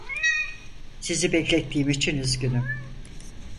Sizi beklettiğim için üzgünüm.